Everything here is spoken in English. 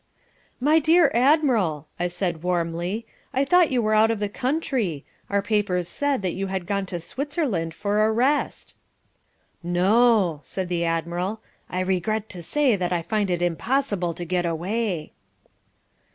"My dear Admiral!" I said, warmly. "I thought you were out of the country. Our papers said that you had gone to Switzerland for a rest." "No," said the Admiral. "I regret to say that I find it impossible to get away."